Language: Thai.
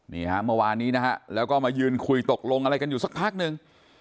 นี่ฮะเมื่อวานนี้นะฮะแล้วก็มายืนคุยตกลงอะไรกันอยู่สักพักหนึ่ง